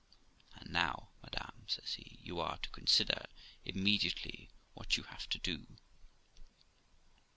'And now, madam', says he, 'you are to consider immediately what you have to do.'